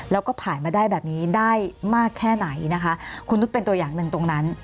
แล้วก็ผ่านมาได้แบบนี้ได้มากแค่ไหนนะคะคุณนุษย์เป็นตัวอย่างหนึ่งตรงนั้น